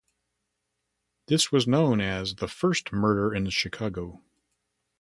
This was known as "the first murder in Chicago".